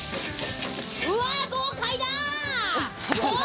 うわ、豪快だ！